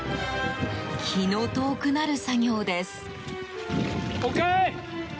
気の遠くなる作業です。